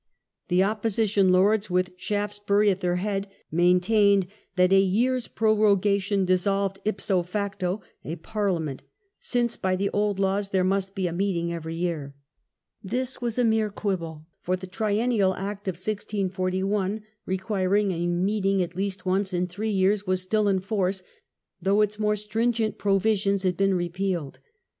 The opposition lords, with Shaftesbury at their head, maintained that a year's prorogation dissolved ipso facto a Parliament, since, by the old laws, there must be a meeting every year. This was a mere quibble for 1 Persons holding office under the crown. So CHARLES* DIPLOMATIC CONCESSIONS. the Triennial Act of 1641, requiring a meeting at least once in three years, was still in force, though its more stringent provisions had been repealed.